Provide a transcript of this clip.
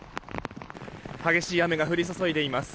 激しい雨が降り注いでいます。